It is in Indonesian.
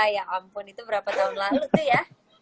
ya ampun itu berapa tahun lalu tuh ya